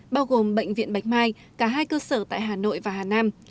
bao gồm bệnh viện bạch mai cả hai cơ sở tại hà nội và hà nam